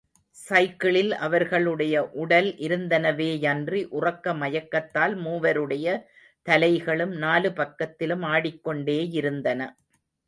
சைக்கிள்களில் அவர்களுடைய உடல் இருந்தனவேயன்றி, உறக்க மயக்கத்தால் மூவருடைய தலைகளும் நாலு பக்கத்திலும் ஆடிக்கொண்டேயிருந்தன.